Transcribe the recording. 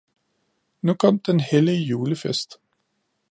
Nu kom den hellige julefest